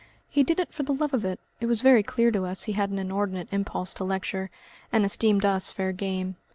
He did it for the love of it. It was very clear to us he had an inordinate impulse to lecture, and esteemed us fair game.